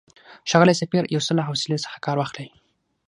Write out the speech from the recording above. ښاغلی سفیر، یو څه له حوصلې څخه کار واخلئ.